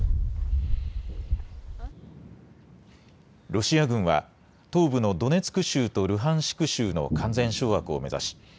ロシア軍は東部のドネツク州とルハンシク州の完全掌握を目指し